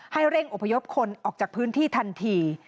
ให้เร่งอพยพคนออกจากพื้นที่ทันที